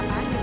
ada mbak alia